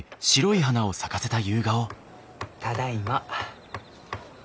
ただいま。